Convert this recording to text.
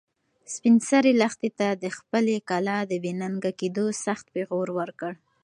سپین سرې لښتې ته د خپلې کلا د بې ننګه کېدو سخت پېغور ورکړ.